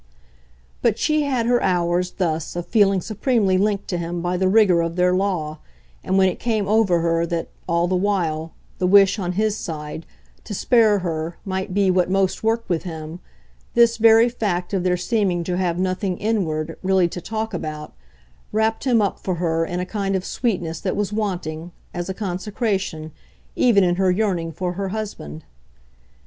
But she had her hours, thus, of feeling supremely linked to him by the rigour of their law, and when it came over her that, all the while, the wish, on his side, to spare her might be what most worked with him, this very fact of their seeming to have nothing "inward" really to talk about wrapped him up for her in a kind of sweetness that was wanting, as a consecration, even in her yearning for her husband.